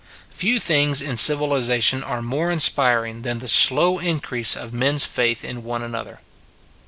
Few things in civilization are more in spiring than the slow increase of men s faith in one another.